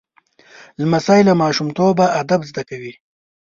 لمسی له ماشومتوبه ادب زده کوي.